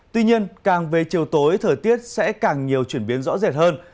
tuy nhiên càng về chiều tối thời tiết sẽ càng nhiều chuyển biến rõ rệt hơn